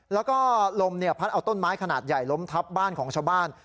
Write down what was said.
แล้วก็ลมพัดเอาต้นไม้ขนาดใหญ่ล้มทับบ้านของชาวบ้าน